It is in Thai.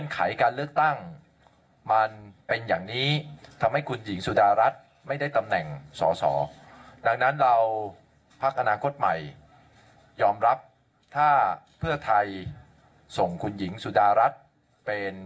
มันเป็นอย่างนี้ทำให้คุณหญิงสุดารัฐไม่ได้ตำแหน่งสอสอดังนั้นเราพักอนาคตใหม่ยอมรับถ้าเพื่อไทยส่งคุณหญิงสุดารัฐเป็น